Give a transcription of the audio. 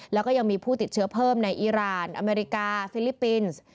แล้วก็ยังมีผู้ติดเชื้อเพิ่มในอีรานอเมริกาฟิลิปปินส์